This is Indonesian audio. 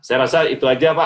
saya rasa itu aja pak